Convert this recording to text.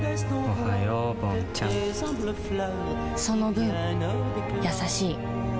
その分優しい